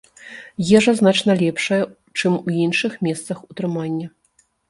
Ежа значна лепшая, чым у іншых месцах утрымання.